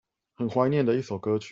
很懷念的一首歌曲